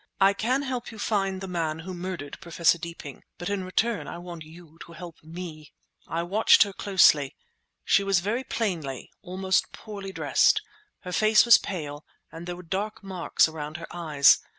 I can help you to find the man who murdered Professor Deeping, but in return I want you to help me!" I watched her closely. She was very plainly, almost poorly, dressed. Her face was pale and there were dark marks around her eyes.